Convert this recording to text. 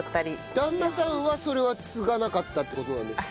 旦那さんはそれは継がなかったって事なんですか？